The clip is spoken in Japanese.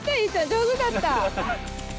上手だった。